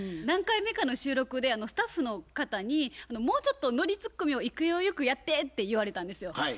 何回目かの収録でスタッフの方に「もうちょっとノリツッコミを勢いよくやって」って言われたんですよ。